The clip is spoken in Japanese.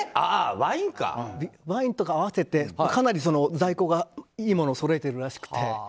ワインとか合わせてかなり、在庫がいいものをそろえているらしくて。